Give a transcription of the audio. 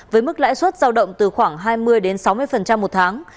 với mức lãi suất giao động từ khoảng hai mươi đến sáu mươi một tháng